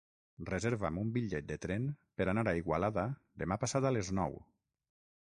Reserva'm un bitllet de tren per anar a Igualada demà passat a les nou.